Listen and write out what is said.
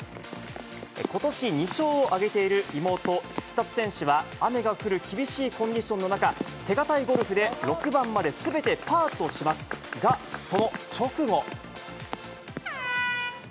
ことし、２勝を挙げている妹、千怜選手は、雨が降る厳しいコンディションの中、手堅いゴルフで６番まですべてパーとしますが、その直後。